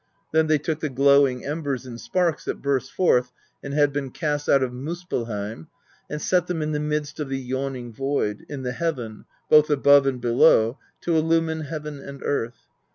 Then they took the glowing embers and sparks that burst forth and had been cast out of Muspell heim, and set them in the midst of the Yawning Void, in the heaven, both above and below, to illumine heaven and earth.